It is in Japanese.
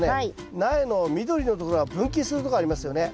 苗の緑のところが分岐するとこありますよね。